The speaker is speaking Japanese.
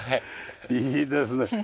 いいですね。